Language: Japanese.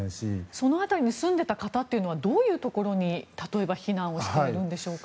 その辺りに住んでいた方というのはどういうところに、例えば避難をしているんでしょうか。